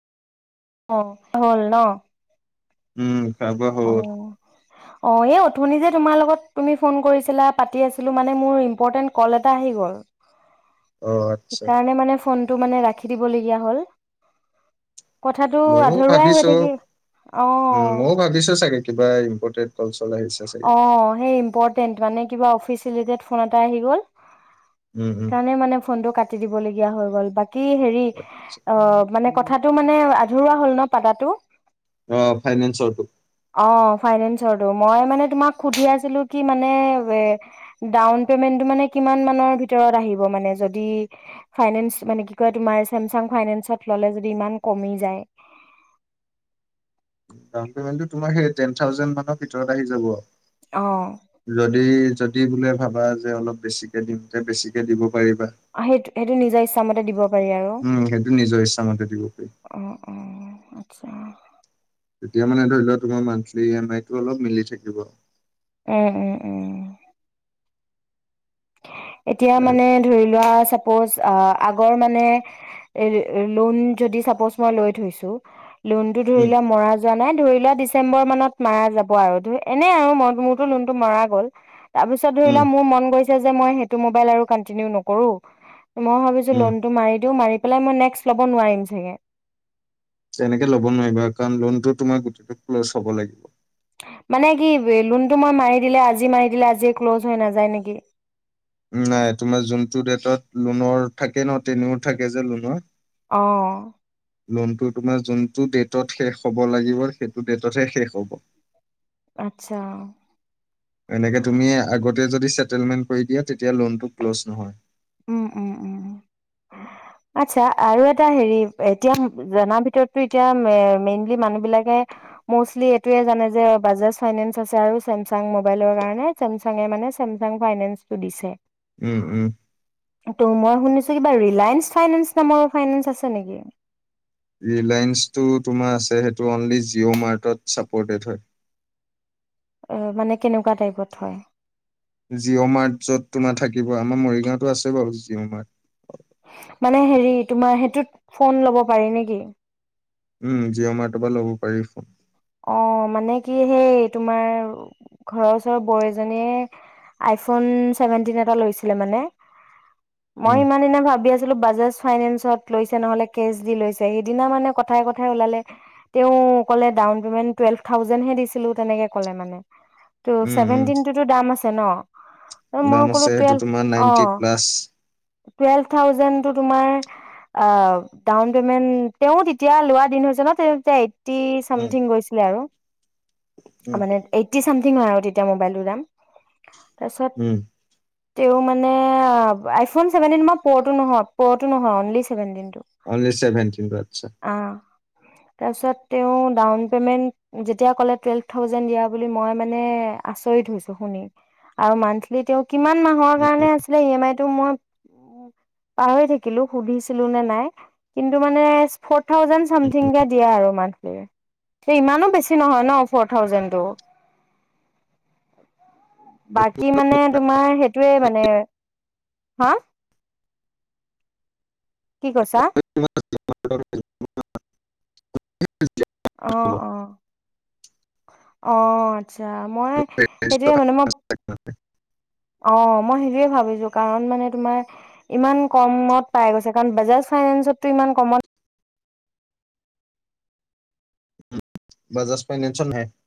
অ, হ'ল ন'। উম। খোৱা বোৱা অ', হ'ল অ', এয়া উ ধুনি যে তোমাৰ লগত তুমি ফোন কৰিছিলা, পাতি আছিলো মানে মোৰ ইম্পৰটেণ্ট কল এটা আহি গ'ল। অ আচ্ছা সেইকাৰণে মানে ফোন তো মানে ৰাখি দিব লগিয়া হ'ল। কথাতটো ময়ো আধৰুৱাই হৈ ভাবিছো থাকি, উম অ'। ময়ো ভাবিছো চাগে কিবা ইম্পৰটেন্ট কল-চ অ', সেই ইম্পৰ্টেট মানে কিবা অফিচ ৰিলেতেড ফোন এটা আহি গ'ল। উম উম সেইকাৰণে মানে ফোনটো কাটি দিব লগি ইয়া হৈ গ'ল, বাক কি হেৰি অ', মানে কথাটো মানে আধৰুৱা হ'ল ন' পাতাটো। অ ফাইনেন্সৰটো অ', ফাইনেন্সৰ মই মানে ত ম ভ ম ডাউন পেমেণ্টটো তোমাৰেই টেনাউেড মৰ ভিতৰত আহি য আৰু অ যদি বোলে ভাবা যে অলপ বেছি বেছিকে দিব পাৰিবা সেইটো সেইটো নিজৰ ইচ্ছাামতে দিব পাৰি আৰু উম সেইটো নিজৰ ইচ্ছামতে দিব পাৰি অ অ আ্ছা তেতিয়া মানে ধৰি লোৱা তোমাৰ মান্থলি ইমইটো অলপ মিলি থাকিব উম উম উম এতিয়া মানে ধৰি লোৱা চাপ'জ [inaudible] লোনটো উম ধৰিলে মৰা যোৱা নাই ধৰি লোৱা ডিচেম্বৰ মানত মৰা যাব আৰু এনেই আৰু ম মূৰতো লোনতটো মৰা গ'ল তাৰ পিছত ধৰি উম লও মোৰ মন গৈছে মই সেইটো মাবাইল যে আৰু কন্টিনিউ নকৰো মই ভাবিছো উম লোনটো মাৰি দিও মাৰি পেলাই মই নেক্সট ল'ব নোৱাৰিম চাগে তেনেকে ল'ব নোৱাৰিবা কাৰণ লোনতটো তোমাৰ গোটেই ক্লজ হব লাগিব মানে কি লোনটো মই মাৰি দিলে আজি মাৰি দিলে আজি ক্ল'জ হৈ নাযায় নেকি নাই তোমাৰ যোনটো ডেটত লোনৰ থাকে ন তেনেও থাকে যে লোনৰ আহ লোনটো তোমাৰ যোনটো ডেটত শেষ হ'ব লাগিব সেইটো ডেটতহে শেষ হ'ব আচ্ছা এনেকে তুমি আগতে যদি চেটেলমেণ্ট কৰি দিয়া তেতিয়া লোনটো ক্ল'জ নহয় উম উম উম উম আচ্ছা আৰু এটা হেৰি এতিয়া জনাৰ ভিতৰতটো এতিয়া মেনুৰ মানুহ বিলাকে মৌচলী এইটোৱে জানে যে ব্ৰাজাছ ফাইনেঞ্চ আছে আৰু মোলৰ কাৰণে মানে চেমচংঙে মানে চেমচং ফাইনেঞ্চ টো জিছে উম উম ত' মই শুনিছো কিবা ৰিলায়েন্স ফাইনেন্স নাম ফাইনেন্স আছে নেকি ৰিলায়েন্সটো তোমাৰ আছে সেইটো অনলি জিঅ' মাৰ্টত ছাপ'ৰ্টেড হয় এ মানে কেনেকুৱা টাইপত হয় জিঅ' মাৰ্ট যত তোমাৰ থাকিব আমাৰ মৰিগাঁওতো আছে বাৰু জিঅ' মাৰ্ট মানে হেৰি তোমাৰ সেইটোত ফোন ল'ব পাৰি নেকি উম জিঅ' মাৰ্টৰ পৰা ল'ব পাৰি ফোন অ মানে কি সেই [unintelligible] মই উম, ইমান দিনা ভাবি আছো [unintelligible] টুৱেলভ থাউজেণ্ডহে দিছিলো তেনেকে'লে মানে উম, ভ উম, দ চনে মই দাম আছে ক'লো সেইটো টেলভ তোমাৰ অ নাইনটি প্লাছ। টেলভ থাউজেডটো তোমাৰ অ ডাউন পেমেন্ট তেওঁ তেতিয়া লোৱা দিন হৈছে ন তে যে [inaudible] উম, আছিল আৰু উম, মানে এইটি চামঠিংক হয় আৰু তেতিয়া মোবাইলটোৰ দাম তাৰপিছত উম, তেওঁ মানে আইফোন ছেভেনটিন মই প'টো নহয় প'টো নহয় অনলি চছেভেনটিনটো অনলি চেছেভেনটিন বছ তাৰপিছত তেওঁ দন ম কিমান মাহৰ কাৰণে আছিলে ই এম আই ন ম থাউজেণ্ড চামথিং কেে দিয়া আৰু মানে উ ইমানো বেছি নহয় ন ফৰ থাউজেডটো বাকী মানে তোমাৰ সেই মানে হা কি কৈছা জ আহ অ অ আচছা মই সেইটোয়ে মানে মই [inaudible] অ মই সেইটোৱে ভাবিছোঁ কাৰণ মানে তোমাৰ ইমান কমত পাই গৈছে কাৰণ বাজাজ ফাইনেন্সততটো ইমান কমত বাজ ফাইনেন্শচন হয়ে